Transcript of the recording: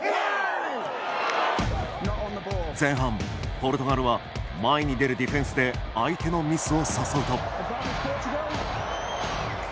前半、ポルトガルは前に出るディフェンスで相手のミスを誘うと。